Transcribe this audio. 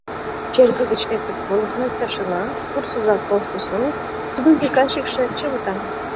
Черке гыч лектыт: волостной старшина, пурс оза Толстосумов, тудын приказчикше Чывытан.